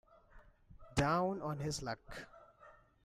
Down on his luck.